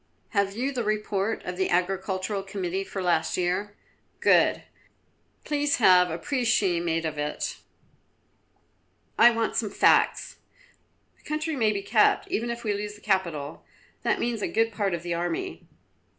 "Have you the report of the Agricultural Committee for last year? Good, please have a précis made of it; I want some facts. The country may be kept, even if we lose the capital; that means a good part of the army."